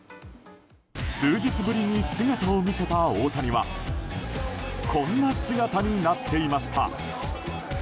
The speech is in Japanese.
数日ぶりに姿を見せた大谷はこんな姿になっていました。